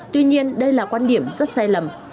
tuy nhiên đây là quan điểm rất sai lầm